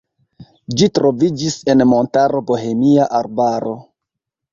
Ĝi troviĝis en montaro Bohemia arbaro.